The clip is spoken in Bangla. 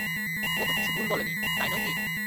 ও তো ভুল কিছু বলেনি, তাই নয় কি?